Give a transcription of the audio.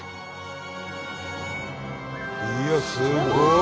いやすごい！